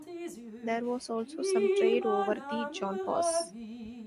There was also some trade over the Jaun Pass.